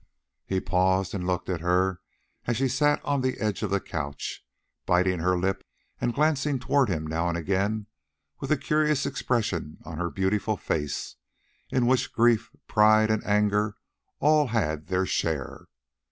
He paused and looked at her as she sat on the edge of the couch, biting her lip and glancing towards him now and again with a curious expression on her beautiful face, in which grief, pride, and anger all had their share.